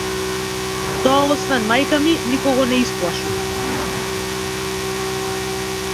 Тоа освен мајка ми никого не исплаши.